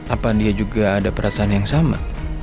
apa dia juga ada perasaan yang sama